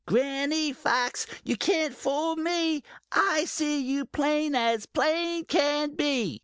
"Granny Fox, you can't fool me! I see you plain as plain can be!"